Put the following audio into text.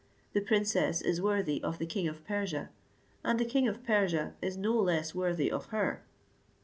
The princess is worthy of the king of Persia, and the king of Persia is no less worthy of her."